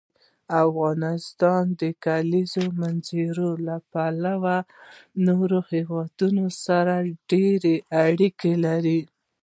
افغانستان د کلیزو منظره له پلوه له نورو هېوادونو سره ډېرې اړیکې لري.